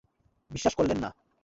বিশ্বাস করলে না!